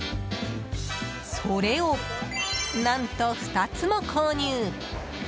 それを何と、２つも購入。